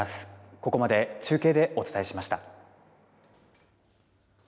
ここまで中継でお伝えしました。